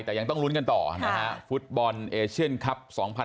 แต่ยังต้องลุ้นกันต่อนะฮะฟุตบอลเอเชียนคลับ๒๐๑๖